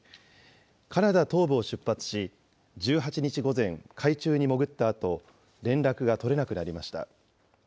カナダ東部を出発し、１８日午前、海中に潜ったあと、連絡が取れなくなりました。